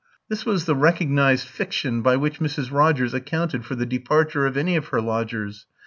This was the recognised fiction by which Mrs. Rogers accounted for the departure of any of her lodgers.